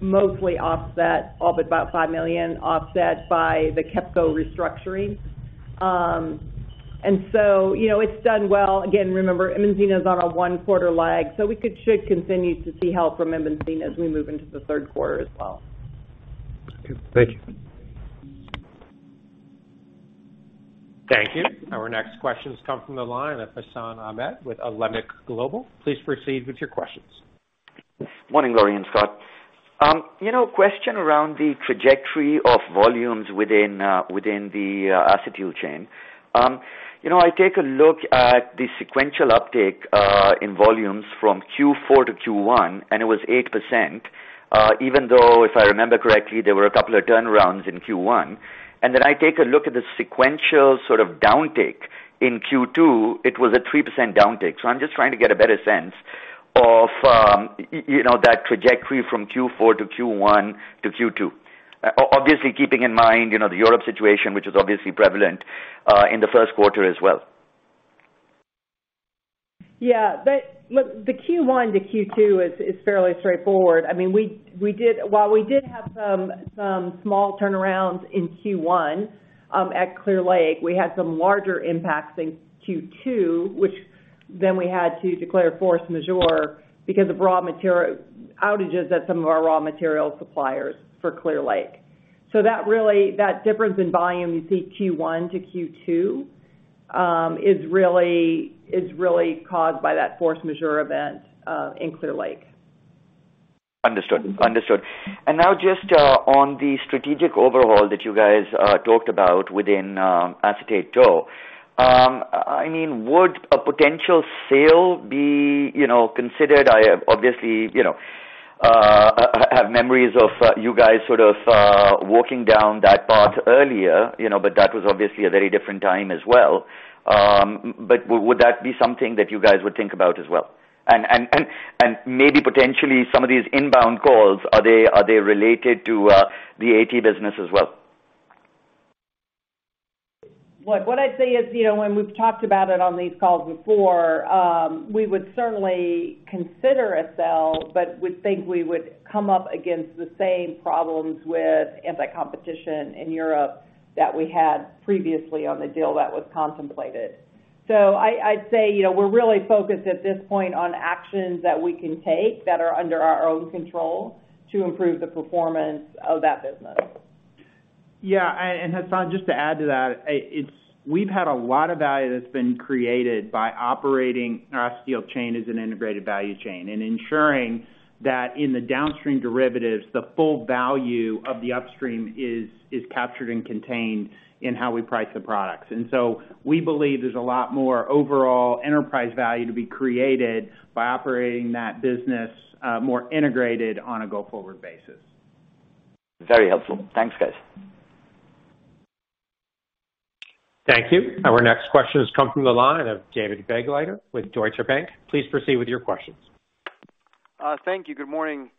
mostly offset up at about $5 million, offset by the KEPCO restructuring. You know, it's done well. Again, remember, Ibn Sina is on a one quarter lag, so we should continue to see help from Ibn Sina as we move into the third quarter as well. Okay. Thank you. Thank you. Our next question's come from the line of Hassan Ahmed with Alembic Global. Please proceed with your questions. Morning, Lori and Scott. You know, question around the trajectory of volumes within the acetyl chain. You know, I take a look at the sequential uptake in volumes from Q4 to Q1, and it was 8%, even though, if I remember correctly, there were a couple of turnarounds in Q1. Then I take a look at the sequential sort of downtake in Q2, it was a 3% downtake. I'm just trying to get a better sense of that trajectory from Q4 to Q1 to Q2. Obviously, keeping in mind, you know, the Europe situation, which is obviously prevalent in the first quarter as well. Yeah. Look, the Q1 to Q2 is fairly straightforward. I mean, we did have some small turnarounds in Q1 at Clear Lake. We had some larger impacts in Q2, which then we had to declare force majeure because of raw material outages at some of our raw material suppliers for Clear Lake. That difference in volume you see Q1 to Q2 is really caused by that force majeure event in Clear Lake. Understood. Now just on the strategic overhaul that you guys talked about within acetate tow. I mean, would a potential sale be, you know, considered? I obviously, you know. I have memories of you guys sort of walking down that path earlier, you know, but that was obviously a very different time as well. Would that be something that you guys would think about as well? Maybe potentially some of these inbound calls, are they related to the AT business as well? What I'd say is, you know, when we've talked about it on these calls before, we would certainly consider a sale, but we think we would come up against the same problems with anti-competition in Europe that we had previously on the deal that was contemplated. I'd say, you know, we're really focused at this point on actions that we can take that are under our own control to improve the performance of that business. Yeah. Hassan, just to add to that. We've had a lot of value that's been created by operating our acetyl chain as an integrated value chain and ensuring that in the downstream derivatives, the full value of the upstream is captured and contained in how we price the products. We believe there's a lot more overall enterprise value to be created by operating that business more integrated on a go-forward basis. Very helpful. Thanks, guys. Thank you. Our next question has come from the line of David Begleiter with Deutsche Bank. Please proceed with your questions. Thank you. Good morning.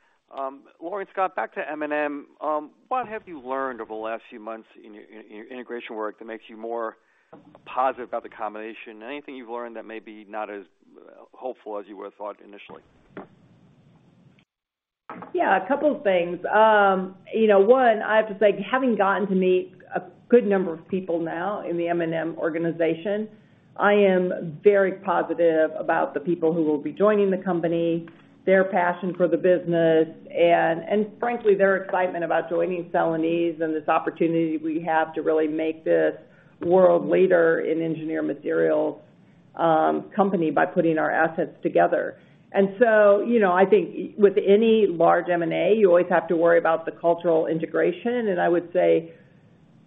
Lori, Scott, back to M&M. What have you learned over the last few months in your integration work that makes you more positive about the combination? Anything you've learned that may be not as hopeful as you would have thought initially? Yeah, a couple of things. You know, one, I have to say, having gotten to meet a good number of people now in the M&M organization, I am very positive about the people who will be joining the company, their passion for the business, and frankly, their excitement about joining Celanese and this opportunity we have to really make this world leader in engineered materials company by putting our assets together. You know, I think with any large M&A, you always have to worry about the cultural integration. I would say,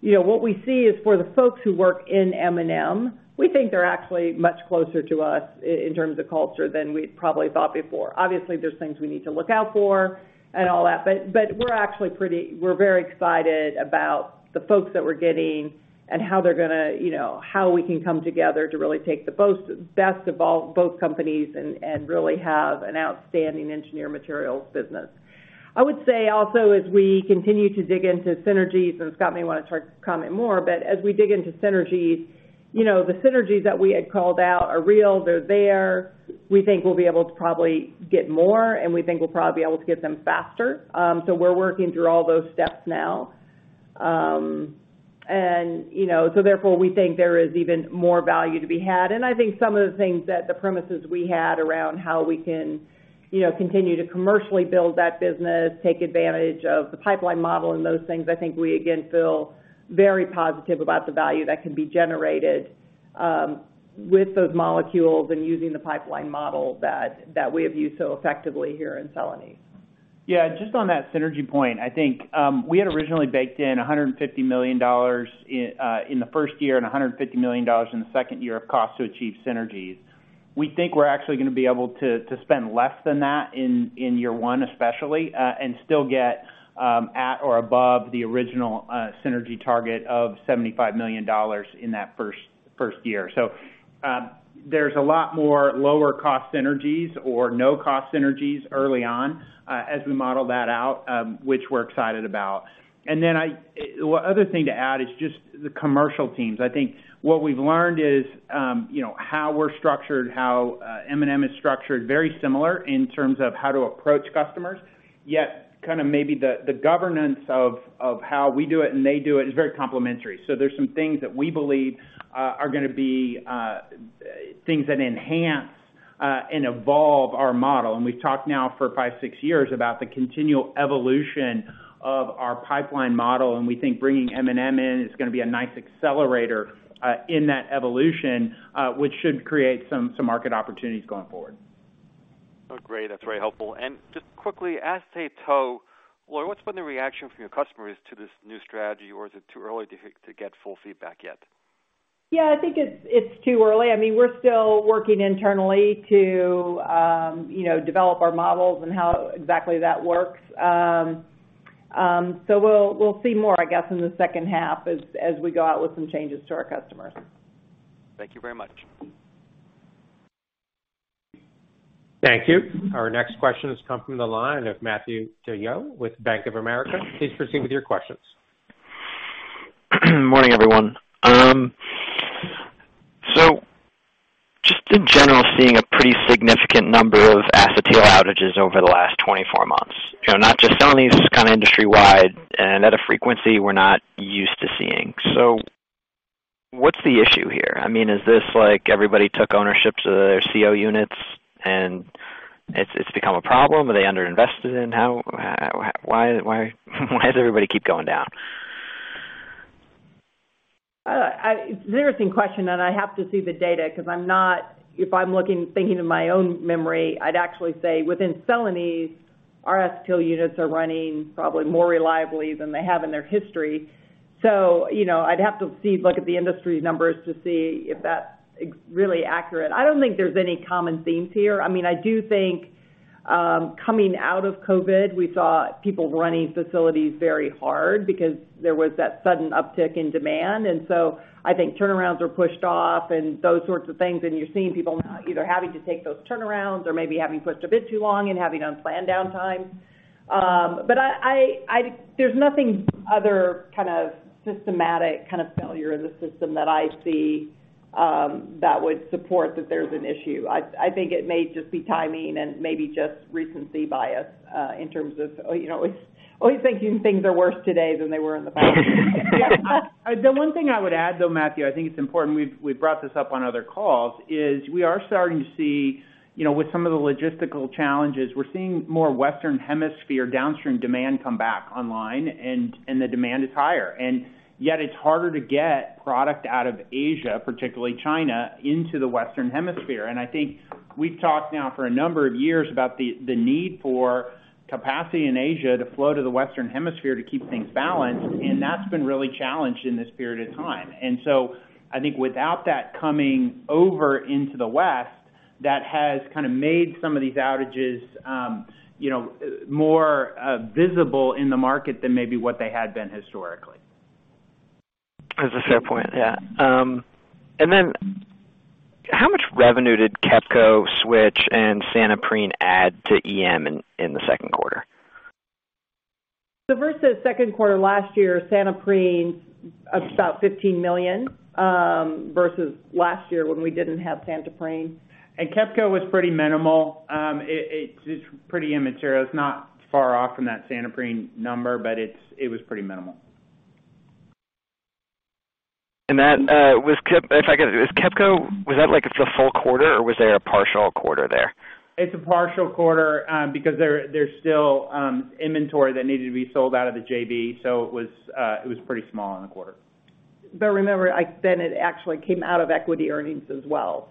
you know, what we see is for the folks who work in M&M, we think they're actually much closer to us in terms of culture than we'd probably thought before. Obviously, there's things we need to look out for and all that, but we're actually very excited about the folks that we're getting and how they're gonna, you know, how we can come together to really take the best of both companies and really have an outstanding engineered materials business. I would say also, as we continue to dig into synergies and Scott may want to try to comment more, but as we dig into synergies, you know, the synergies that we had called out are real, they're there. We think we'll be able to probably get more, and we think we'll probably be able to get them faster. We're working through all those steps now. You know, therefore, we think there is even more value to be had. I think some of the things that the premises we had around how we can, you know, continue to commercially build that business, take advantage of the pipeline model and those things. I think we again feel very positive about the value that can be generated with those molecules and using the pipeline model that we have used so effectively here in Celanese. Yeah, just on that synergy point, I think, we had originally baked in $150 million in the first year and $150 million in the second year of cost to achieve synergies. We think we're actually gonna be able to spend less than that in year one especially, and still get at or above the original synergy target of $75 million in that first year. There's a lot more lower cost synergies or no cost synergies early on, as we model that out, which we're excited about. One other thing to add is just the commercial teams. I think what we've learned is, you know, how we're structured, how M&M is structured, very similar in terms of how to approach customers. Yet, kind of maybe the governance of how we do it and they do it is very complementary. There's some things that we believe are gonna be things that enhance and evolve our model. We've talked now for five, six years about the continual evolution of our pipeline model, and we think bringing M&M in is gonna be a nice accelerator in that evolution, which should create some market opportunities going forward. Oh, great. That's very helpful. Just quickly, incredibly, Lori, what's been the reaction from your customers to this new strategy, or is it too early to get full feedback yet? Yeah, I think it's too early. I mean, we're still working internally to you know develop our models and how exactly that works. We'll see more, I guess, in the second half as we go out with some changes to our customers. Thank you very much. Thank you. Our next question has come from the line of Matthew DeYoe with Bank of America. Please proceed with your questions. Morning, everyone. Just in general, seeing a pretty significant number of acetyl outages over the last 24 months. You know, not just Celanese, kind of industry-wide and at a frequency we're not used to seeing. What's the issue here? I mean, is this like everybody took ownership to their CO units and it's become a problem? Are they underinvested? Why does everybody keep going down? It's an interesting question, and I have to see the data 'cause I'm not. If I'm looking, thinking in my own memory, I'd actually say within Celanese, our acetyl units are running probably more reliably than they have in their history. So, you know, I'd have to look at the industry numbers to see if that's really accurate. I don't think there's any common themes here. I mean, I do think, coming out of COVID, we saw people running facilities very hard because there was that sudden uptick in demand. So I think turnarounds were pushed off and those sorts of things, and you're seeing people now either having to take those turnarounds or maybe having pushed a bit too long and having unplanned downtime. There's no other kind of systematic kind of failure in the system that I see that would support that there's an issue. I think it may just be timing and maybe just recency bias in terms of you know always thinking things are worse today than they were in the past. The one thing I would add, though, Matthew, I think it's important. We've brought this up on other calls. We are starting to see, you know, with some of the logistical challenges, we're seeing more Western Hemisphere downstream demand come back online and the demand is higher. Yet it's harder to get product out of Asia, particularly China, into the Western Hemisphere. I think we've talked now for a number of years about the need for capacity in Asia to flow to the Western Hemisphere to keep things balanced, and that's been really challenged in this period of time. I think without that coming over into the West, that has kind of made some of these outages, you know, more visible in the market than maybe what they had been historically. That's a fair point. Yeah. How much revenue did KEPCO Switch and Santoprene add to EM in the second quarter? So versus second quarter last year, Santoprene, about $15 million, versus last year when we didn't have Santoprene. KEPCO was pretty minimal. It's pretty immaterial. It's not far off from that Santoprene number, but it was pretty minimal. That was KEPCO. If I could, was that KEPCO? Was that like a full quarter or was there a partial quarter there? It's a partial quarter because there's still inventory that needed to be sold out of the JV, so it was pretty small in the quarter. Remember, then it actually came out of equity earnings as well.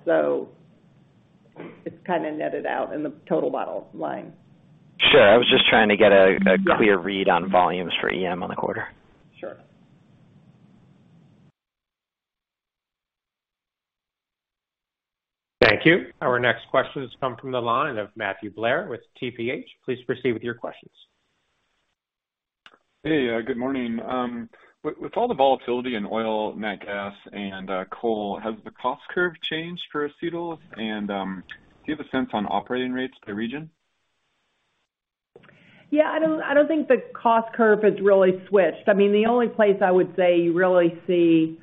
It's kind of netted out in the total bottom line. Sure. I was just trying to get a clear read on volumes for EM on the quarter. Sure. Thank you. Our next question has come from the line of Matthew Blair with TPH&Co. Please proceed with your questions. Hey, good morning. With all the volatility in oil, nat gas and coal, has the cost curve changed for acetyls? Do you have a sense on operating rates by region? Yeah, I don't think the cost curve has really switched. I mean, the only place I would say you really see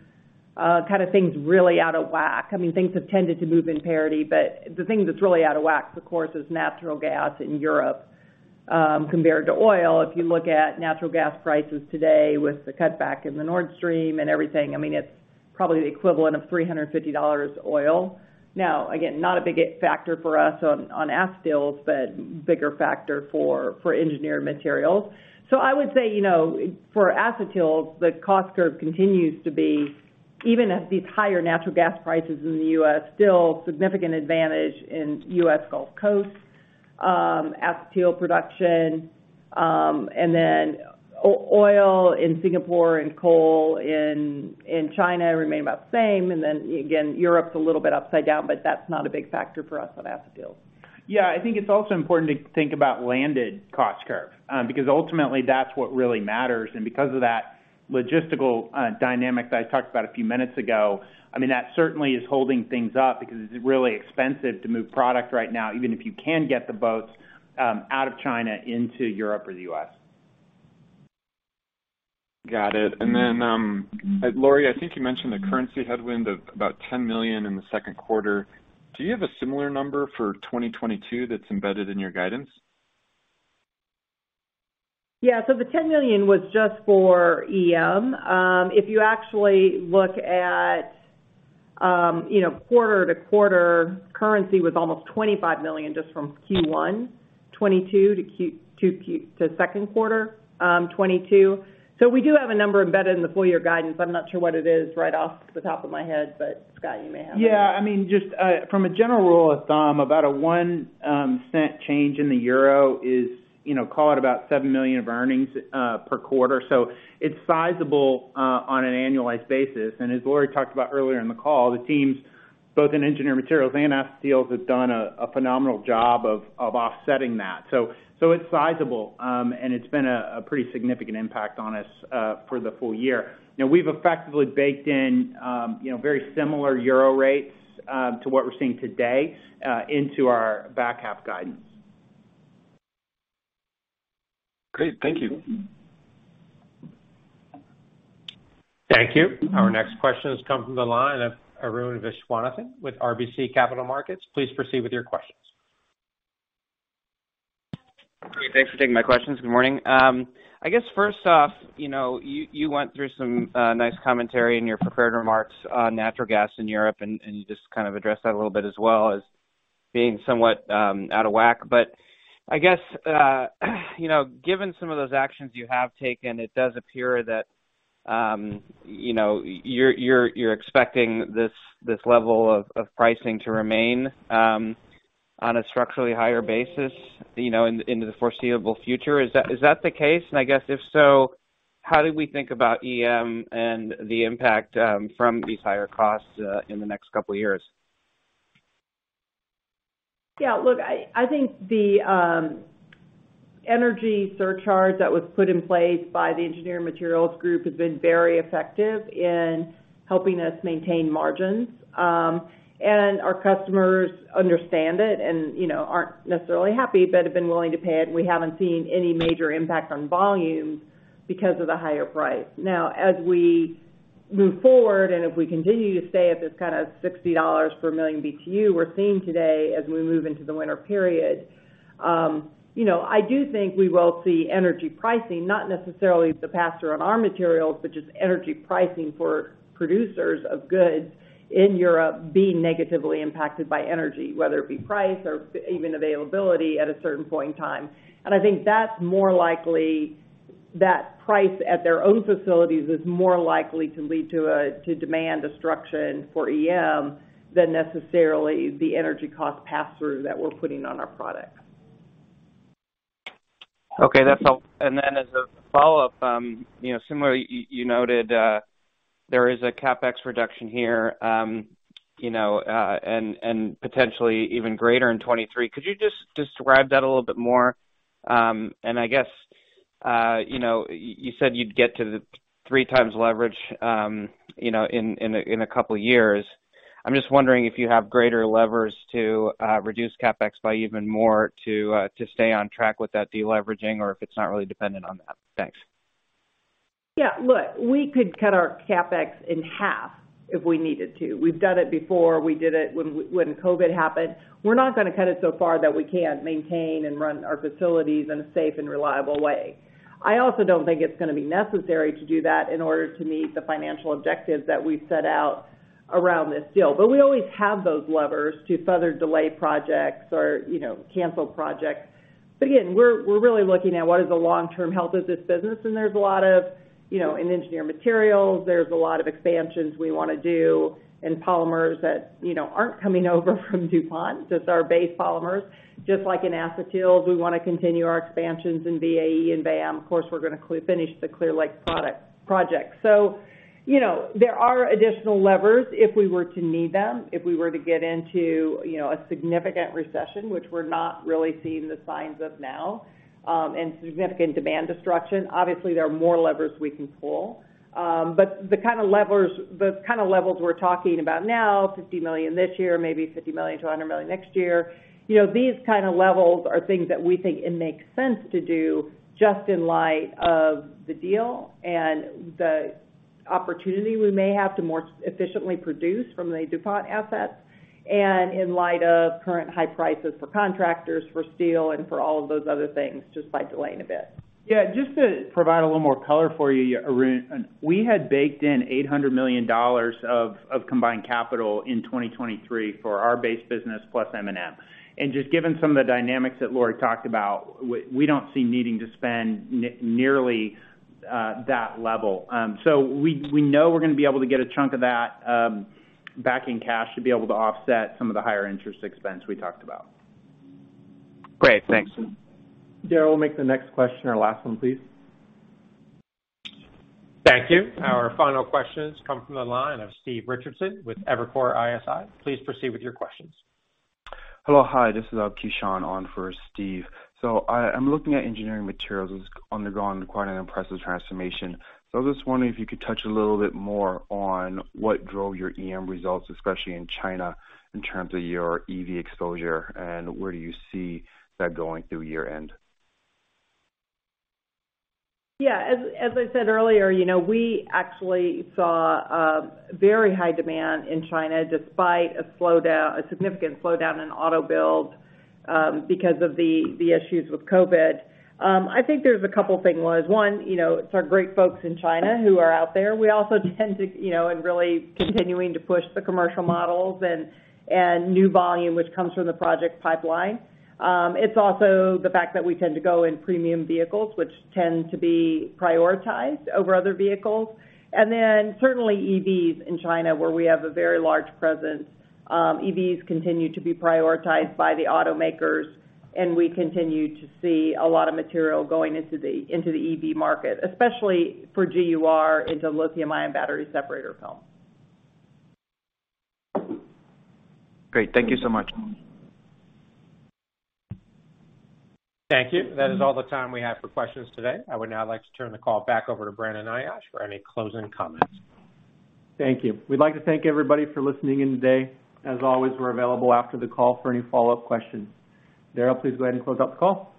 kind of things really out of whack, I mean, things have tended to move in parity, but the thing that's really out of whack, of course, is natural gas in Europe compared to oil. If you look at natural gas prices today with the cutback in the Nord Stream and everything, I mean, it's probably the equivalent of $350 oil. Now, again, not a big factor for us on acetyls, but bigger factor for engineered materials. So I would say, you know, for acetyls, the cost curve continues to be, even at these higher natural gas prices in the U.S., still significant advantage in U.S. Gulf Coast acetyl production. Oil in Singapore and coal in China remain about the same. Europe's a little bit upside down, but that's not a big factor for us on acetyls. Yeah, I think it's also important to think about landed cost curve, because ultimately that's what really matters. Because of that logistical, dynamic that I talked about a few minutes ago, I mean, that certainly is holding things up because it's really expensive to move product right now, even if you can get the boats, out of China into Europe or the U.S. Got it. Lori, I think you mentioned the currency headwind of about $10 million in the second quarter. Do you have a similar number for 2022 that's embedded in your guidance? Yeah. The $10 million was just for EM. If you actually look at, you know, quarter-over-quarter, currency was almost $25 million just from Q1 2022 to second quarter 2022. We do have a number embedded in the full year guidance. I'm not sure what it is right off the top of my head, but Scott, you may have it. Yeah, I mean, just from a general rule of thumb, about a one cent change in the euro is, you know, call it about $7 million of earnings per quarter. So it's sizable on an annualized basis. As Lori talked about earlier in the call, the teams, both in engineered materials and acetyls, have done a phenomenal job of offsetting that. So it's sizable, and it's been a pretty significant impact on us for the full year. Now, we've effectively baked in, you know, very similar euro rates to what we're seeing today into our back half guidance. Great. Thank you. Thank you. Our next question has come from the line of Arun Viswanathan with RBC Capital Markets. Please proceed with your questions. Great. Thanks for taking my questions. Good morning. I guess first off, you know, you went through some nice commentary in your prepared remarks on natural gas in Europe, and you just kind of addressed that a little bit as well as being somewhat out of whack. I guess, you know, given some of those actions you have taken, it does appear that, you know, you're expecting this level of pricing to remain on a structurally higher basis, you know, in the foreseeable future. Is that the case? I guess, if so, how do we think about EM and the impact from these higher costs in the next couple years? Yeah. Look, I think the energy surcharge that was put in place by the Engineered Materials group has been very effective in helping us maintain margins. Our customers understand it and, you know, aren't necessarily happy, but have been willing to pay it. We haven't seen any major impact on volume because of the higher price. Now, as we move forward, and if we continue to stay at this kind of $60 per million BTU we're seeing today as we move into the winter period, you know, I do think we will see energy pricing, not necessarily the pass-through on our materials, but just energy pricing for producers of goods in Europe being negatively impacted by energy, whether it be price or even availability at a certain point in time. I think that's more likely that price at their own facilities is more likely to lead to demand destruction for EM than necessarily the energy cost pass-through that we're putting on our products. Okay. That's all. As a follow-up, you know, similarly, you noted there is a CapEx reduction here, you know, and potentially even greater in 2023. Could you just describe that a little bit more? I guess, you know, you said you'd get to the three times leverage, you know, in a couple years. I'm just wondering if you have greater levers to reduce CapEx by even more to stay on track with that deleveraging or if it's not really dependent on that. Thanks. Yeah. Look, we could cut our CapEx in half if we needed to. We've done it before. We did it when COVID happened. We're not gonna cut it so far that we can't maintain and run our facilities in a safe and reliable way. I also don't think it's gonna be necessary to do that in order to meet the financial objectives that we set out around this deal. We always have those levers to further delay projects or, you know, cancel projects. Again, we're really looking at what is the long-term health of this business, and there's a lot of, you know, in engineered materials, there's a lot of expansions we wanna do, and polymers that, you know, aren't coming over from DuPont. Just our base polymers. Just like in acetyls, we wanna continue our expansions in VAE and VAM. Of course, we're gonna finish the Clear Lake project. You know, there are additional levers if we were to need them. If we were to get into, you know, a significant recession, which we're not really seeing the signs of now, and significant demand destruction. Obviously, there are more levers we can pull. The kind of levers, the kind of levels we're talking about now, $50 million this year, maybe $50 million-$100 million next year, you know, these kind of levels are things that we think it makes sense to do just in light of the deal and the opportunity we may have to more efficiently produce from the DuPont assets, and in light of current high prices for contractors, for steel, and for all of those other things, just by delaying a bit. Yeah. Just to provide a little more color for you, Arun. We had baked in $800 million of combined capital in 2023 for our base business plus M&M. Just given some of the dynamics that Lori talked about, we don't see needing to spend nearly that level. We know we're gonna be able to get a chunk of that back in cash to be able to offset some of the higher interest expense we talked about. Great. Thanks. Daryl, make the next question our last one, please. Thank you. Our final question comes from the line of Steve Richardson with Evercore ISI. Please proceed with your questions. Hello. Hi. This is, Kishan on for Steve. I'm looking at engineered materials. It's undergone quite an impressive transformation. I was just wondering if you could touch a little bit more on what drove your EM results, especially in China, in terms of your EV exposure, and where do you see that going through year-end? Yeah. As I said earlier, you know, we actually saw very high demand in China despite a significant slowdown in auto build because of the issues with COVID. I think there's a couple things. One is, you know, it's our great folks in China who are out there. We also tend to, you know, really continuing to push the commercial models and new volume which comes from the project pipeline. It's also the fact that we tend to go in premium vehicles, which tend to be prioritized over other vehicles. And then certainly EVs in China, where we have a very large presence. EVs continue to be prioritized by the automakers, and we continue to see a lot of material going into the EV market, especially for GUR into lithium-ion battery separator film. Great. Thank you so much. Thank you. That is all the time we have for questions today. I would now like to turn the call back over to Brandon Ayache for any closing comments. Thank you. We'd like to thank everybody for listening in today. As always, we're available after the call for any follow-up questions. Daryl, please go ahead and close out the call.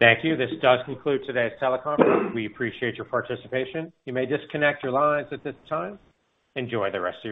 Thank you. This does conclude today's teleconference. We appreciate your participation. You may disconnect your lines at this time. Enjoy the rest of your week.